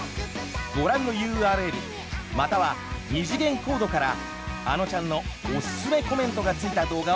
ご覧のＵＲＬまたは二次元コードからあのちゃんのおすすめコメントがついた動画を楽しめますよ。